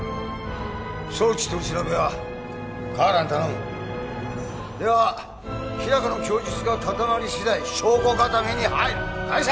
送致取り調べは河原に頼むでは日高の供述が固まり次第証拠固めに入る解散！